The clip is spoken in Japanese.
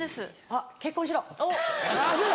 あっ結婚しろ。